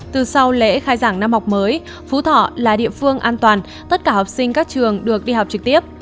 từ sau lễ khai giảng năm học mới phú thọ là địa phương an toàn tất cả học sinh các trường được đi học trực tiếp